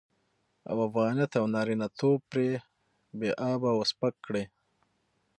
او افغانيت او نارينه توب پرې بې آبه او سپک کړي.